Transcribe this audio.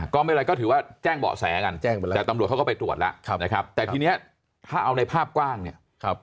ก็ไม่เป็นไรก็ถือว่าแจ้งเบาะแสกันแจ้งไปแล้วแต่ตำรวจเขาก็ไปตรวจแล้วนะครับแต่ทีนี้ถ้าเอาในภาพกว้างเนี่ย